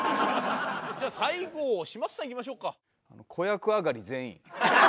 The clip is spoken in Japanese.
じゃあ最後嶋佐さんいきましょうか。